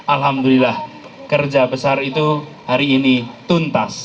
alhamdulillah kerja besar itu hari ini tuntas